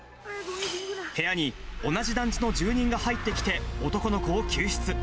部屋に、同じ団地の住人が入ってきて、男の子を救出。